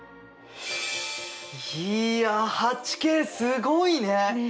いや８Ｋすごいね。ね。